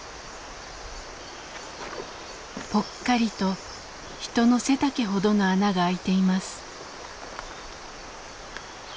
ぽっかりと人の背丈ほどの穴が開いています。